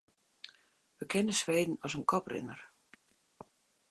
We kenne Sweden as in koprinner.